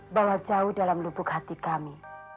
bawa jauh dalam lubuk hati kami